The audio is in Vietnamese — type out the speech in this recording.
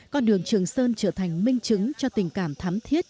con đường trường sơn trở thành minh chứng cho tình cảm thắm thiết